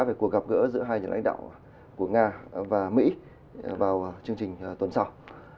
về cuộc gặp gỡ giữa hai nhà lãnh đạo của nga và mỹ vào chương trình tuần sau